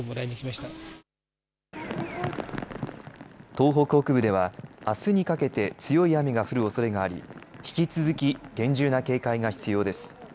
東北北部ではあすにかけて強い雨が降るおそれがあり引き続き厳重な警戒が必要です。